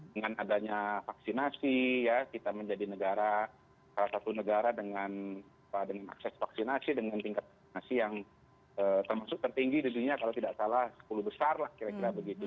dengan adanya vaksinasi ya kita menjadi negara salah satu negara dengan akses vaksinasi dengan tingkat vaksinasi yang termasuk tertinggi di dunia kalau tidak salah sepuluh besar lah kira kira begitu